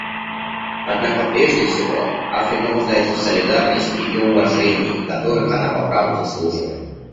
Однако, прежде всего, Африка нуждается в солидарности и уважении, которых она по праву заслуживает.